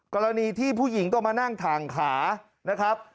กรณีที่ผู้หญิงต้องมานั่งถ่างขานะครับ